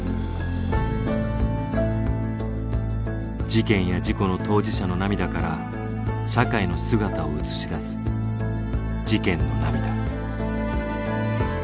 事件や事故の当事者の涙から社会の姿を映し出す「事件の涙」。